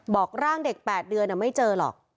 บอกร่างเด็ก๘เดือนไม่เจอหรอก